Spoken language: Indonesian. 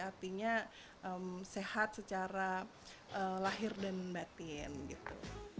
artinya sehat secara lahir dan batin gitu